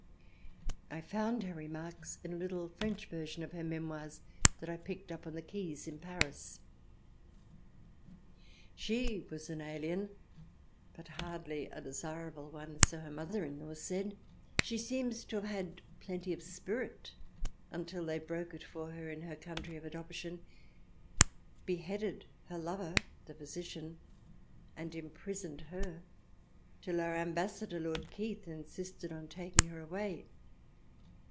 I found her remarks in a httle French version of her Memoirs that I picked up on the quays in Paris. She was an ahen, but hardly a desirable one, so her mother in law said. She seems to have had plenty of spirit until they broke it for her in her country of adoption, beheaded her lover, the physician, and imprisoned her, till our Ambassador, Lord Keith, insisted on taking her away.